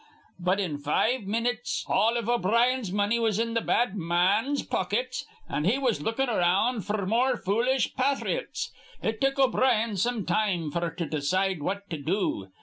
But in five minyits all iv O'Brien's money was in th' bad ma an's pockits, an' he was lookin' around f'r more foolish pathrites. It took O'Brien some time f'r to decide what to do.